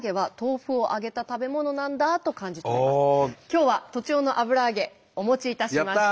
今日は栃尾の油揚げお持ちいたしました。